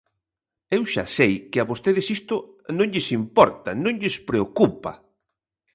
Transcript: Eu xa sei que a vostedes isto non lles importa, non lles preocupa.